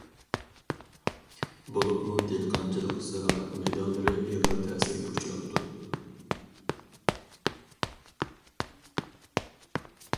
بولۇپمۇ دېھقانچىلىق زىرائەت مەيدانلىرى ئېغىر تەسىرگە ئۇچراپتۇ.